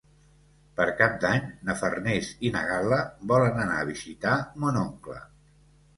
Per Cap d'Any na Farners i na Gal·la volen anar a visitar mon oncle.